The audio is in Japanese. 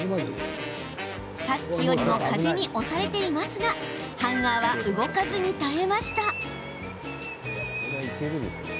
さっきよりも風に押されていますがハンガーは動かずに耐えました。